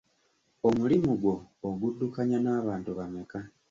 Omulimu gwo oguddukanya n'abantu bameka?